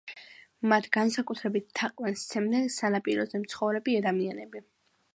მათ განსაკუთრებით თაყვანს სცემდნენ სანაპიროზე მცხოვრები ადამიანები.